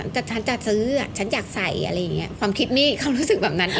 ฉันจะซื้อฉันอยากใส่ความคิดมีเขารู้สึกแบบนั้น